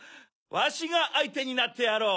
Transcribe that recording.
わしがあいてになってやろう。